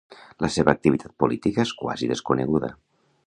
La seva activitat política és quasi desconeguda.